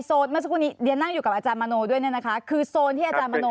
ส่วนกรุงเดี๋ยวน้ำอยู่กับอาจารย์มโครด้วยในคุณสองนี้อาจารย์